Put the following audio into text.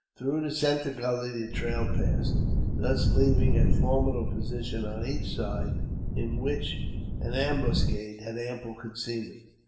Through the centre gully the trai passed, thus leaving a formidable position on each side, which an ambuscade had ample concealment.